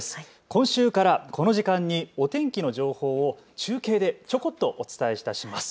今週からこの時間にお天気の情報を中継でちょこっとお伝えいたします。